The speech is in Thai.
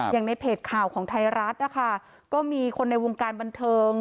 อย่างในเพจข่าวของไทยรัฐนะคะก็มีคนในวงการบันเทิง